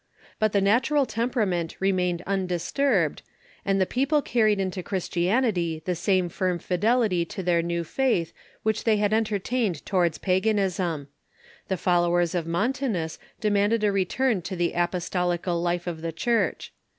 But the natural tem perament remained undisturbed, and the people carried into Christianity the same firm fidelity to their new faith which they had entertained towartls paganism. The followers of Montanus demanded a return to the apostolical life of the Church.